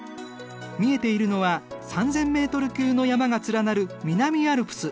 見えているのは３，０００メートル級の山が連なる南アルプス。